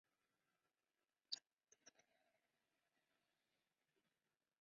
This species is very similar in appearance to others within its genus.